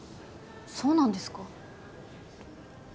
そうなんですか？